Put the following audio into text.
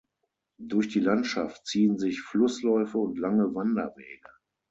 Durch die Landschaft ziehen sich Flussläufe und lange Wanderwege.